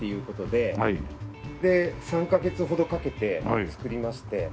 で３カ月ほどかけて作りまして。